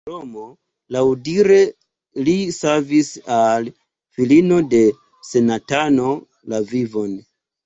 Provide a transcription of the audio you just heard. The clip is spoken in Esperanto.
En Romo laŭdire li savis al filino de senatano la vivon.